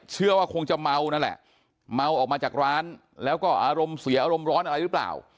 เชื่อว่าคงจะเมานั่นแหละเมาออกมาจากร้านแล้วก็อารมณ์เสียอารมณ์ร้อนอะไรหรือเปล่า